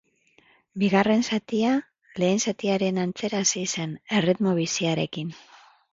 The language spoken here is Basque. Bigarren zatia, lehen zatiaren antzera hasi zen, erritmo biziarekin.